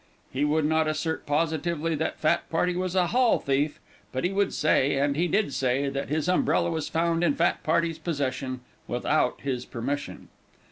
He would not assert positively that fat party was a hall thief, but he would say and he did say, that his umbrella was found in fat party's possession, without his permission.